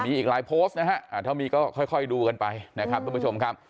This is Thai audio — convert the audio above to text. มีอีกหลายโพสต์นะฮะถ้ามีก็ค่อยดูกันไปนะครับทุกผู้ชมครับ